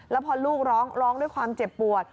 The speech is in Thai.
แล้วพอลูกร้องร้องด้วยความเจ็บปวด